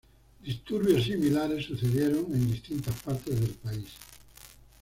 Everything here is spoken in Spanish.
Disturbios similares sucedieron en distintas partes del país.